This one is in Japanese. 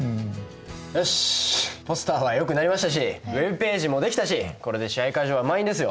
よしポスターはよくなりましたしＷｅｂページも出来たしこれで試合会場は満員ですよ。